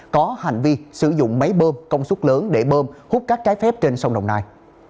có hành vi sử dụng máy bơm công suất lớn để bơm hút cát trái phép trên sông đồng nai